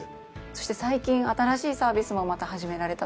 そして最近新しいサービスもまた始められたと。